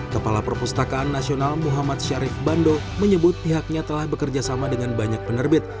kepala perpustakaan nasional muhammad syarif bando menyebut pihaknya telah bekerja sama dengan banyak penerbit